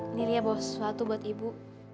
ini dia bawa sesuatu buat ibu